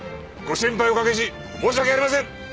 ご心配おかけし申し訳ありません！